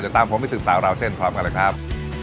ติดตามผมมิสุสาวราวเส้นครอบครับ